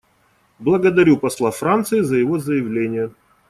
Благодарю посла Франции за его заявление.